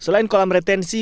selain kolam retensi